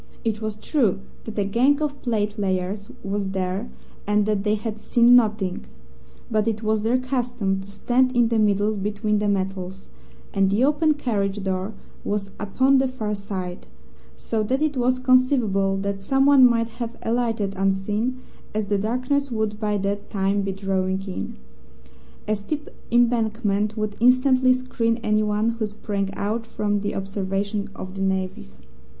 It was true that a gang of platelayers was there, and that they had seen nothing, but it was their custom to stand in the middle between the metals, and the open carriage door was upon the far side, so that it was conceivable that someone might have alighted unseen, as the darkness would by that time be drawing in. A steep embankment would instantly screen anyone who sprang out from the observation of the navvies.